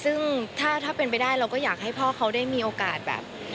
ซึ่งถ้าเป็นไปได้เราก็อยากให้พ่อเขาได้มีโอกาสแบบ